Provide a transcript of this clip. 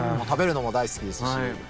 食べるのも大好きですし。